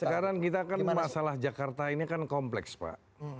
sekarang kita kan masalah jakarta ini kan kompleks pak